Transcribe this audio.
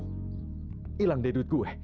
hilang deh duit gue